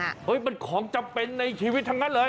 เฮ้ยมันของจำเป็นในชีวิตทั้งนั้นเลย